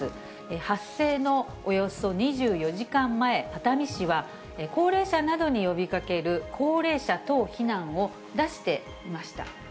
発生のおよそ２４時間前、熱海市は高齢者などに呼びかける、高齢者等避難を出していました。